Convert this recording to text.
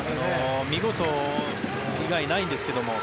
見事以外ないんですけど。